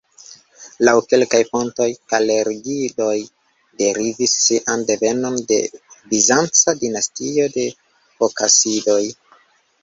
Laŭ kelkaj fontoj Kalergiidoj derivis sian devenon de bizanca dinastio de Fokasidoj.